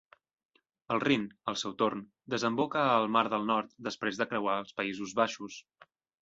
El Rin, al seu torn, desemboca al Mar del Nord després de creuar els Països Baixos.